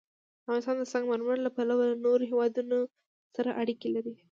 افغانستان د سنگ مرمر له پلوه له نورو هېوادونو سره اړیکې لري.